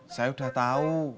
saya udah tau